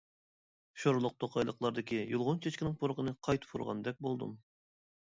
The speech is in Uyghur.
شورلۇق توقايلىقلاردىكى يۇلغۇن چېچىكىنىڭ پۇرىقىنى قايتا پۇرىغاندەك بولدۇم.